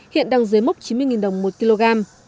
hiện đang dưới mốc chín mươi đồng một kg